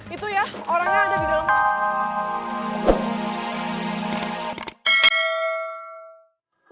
itu ya orangnya ada di dalam